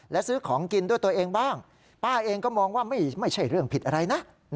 และซื้อของกินด้วยตัวเองบ้างป้าเองก็มองว่าไม่ใช่เรื่องผิดอะไรนะ